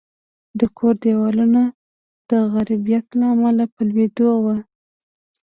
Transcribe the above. د کور دېوالونه د غربت له امله په لوېدو وو